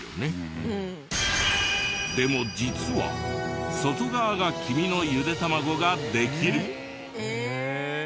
でも実は外側が黄身のゆで卵ができる。